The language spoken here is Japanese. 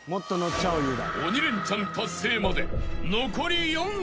［鬼レンチャン達成まで残り４曲］